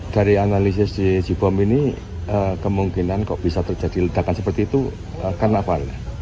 dari analisis di cibom ini kemungkinan kok bisa terjadi ledakan seperti itu kan apa